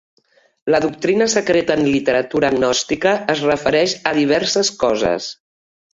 La doctrina secreta en literatura gnòstica es refereix a diverses coses.